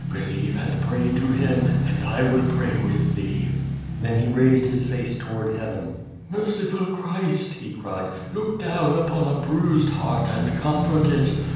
Believe and pray to Him and I will pray with thee.'' Tlien he raised his face toward heaven. '•Merciful Christ," he cried, "look down upon a bruised heart and comfort it.